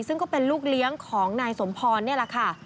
ซึ่งก็เป็นลูกเลี้ยงของนายสมพรนี่แหละค่ะ